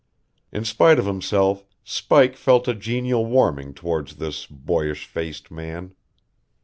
In spite of himself, Spike felt a genial warming toward this boyish faced man.